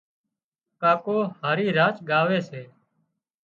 ڪاڪو هارِي راچ ڳاوي سي